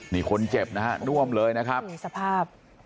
นี่คนเจ็บนะครับน่วมเลยนะครับ